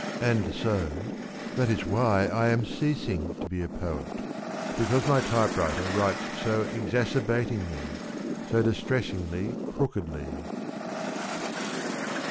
And so that is why I am ceasing to be a poet. ... Because my typewriter writes so exacerbatingly, So distressingly crookedly.